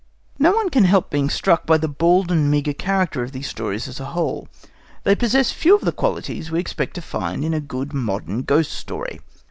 No one can help being struck by the bald and meagre character of these stories as a whole. They possess few of the qualities we expect to find in a good modern ghost story.